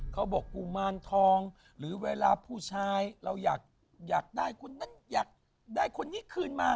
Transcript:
กุมารทองหรือเวลาผู้ชายเราอยากได้คนนั้นอยากได้คนนี้คืนมา